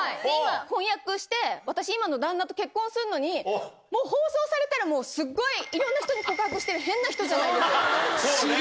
婚約して、私、今の旦那と結婚するのに、もう放送されたらもうすっごいいろんな人に告白してる変な人じゃそうね。